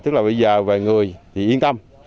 tức là bây giờ về người thì yên tâm